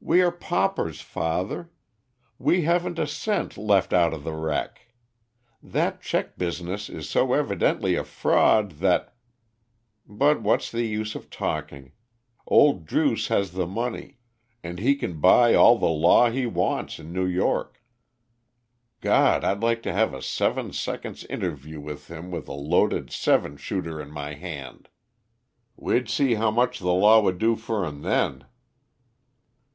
We are paupers, father; we haven't a cent left out of the wreck. That cheque business is so evidently a fraud that but what's the use of talking. Old Druce has the money, and he can buy all the law he wants in New York. God! I'd like to have a seven seconds' interview with him with a loaded seven shooter in my hand! We'd see how much the law would do for him then."